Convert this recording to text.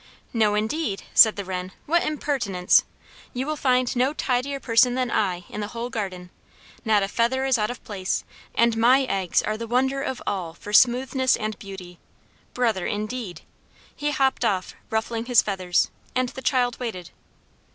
"No, indeed!" said the wren. "What impertinence! You will find no tidier person than I in the whole garden. Not a feather is out of place, and my eggs are the wonder of all for smoothness and beauty. Brother, indeed!" He hopped off, ruffling his feathers, and the child waited.